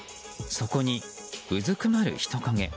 そこにうずくまる人影。